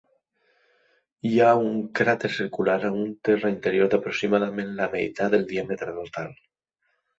Hi ha un cràter circular amb un terra interior d'aproximadament la meitat del diàmetre total.